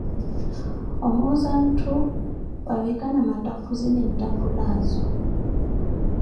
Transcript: Omuuza ntthu wavikana mattakhuzi ninttakhulaazo.